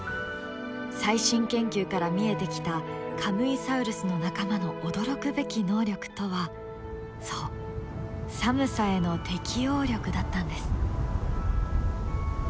最新研究から見えてきたカムイサウルスの仲間の驚くべき能力とはそう寒さへの適応力だったんです。